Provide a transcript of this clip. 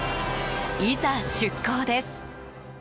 いざ、出航です！